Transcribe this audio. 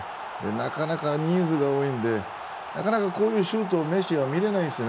なかなか人数が多いんでなかなかこういうシュートメッシは見れないですよ。